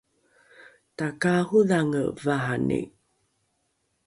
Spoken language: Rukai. takaarodhange vahani